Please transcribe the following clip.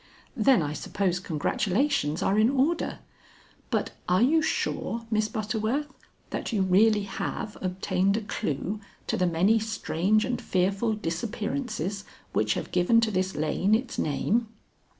"Then I suppose congratulations are in order. But are you sure, Miss Butterworth, that you really have obtained a clue to the many strange and fearful disappearances which have given to this lane its name?"